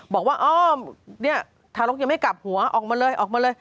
บอกว่าอ้อทารกยังไม่กลับหัวออกมา